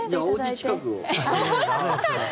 おうち近くを。